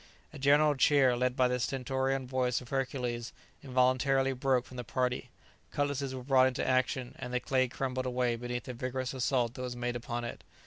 A general cheer, led by the stentorian voice of Hercules, involuntarily broke from the party; cutlasses were brought into action, and the clay crumbled away beneath the vigorous assault that was made upon it.